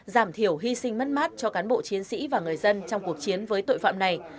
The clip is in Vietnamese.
giảm thiểu hy sinh mất mát cho cán bộ chiến sĩ và người dân trong cuộc chiến với tội phạm này